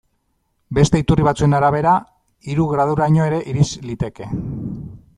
Beste iturri batzuen arabera, hiru graduraino ere irits liteke.